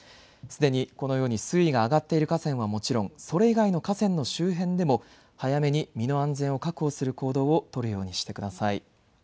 すでにこのように水位が上がっている河川はもちろん、それ以外の河川の周辺でも早めに身の安全を確保する行動を取るようにしてください。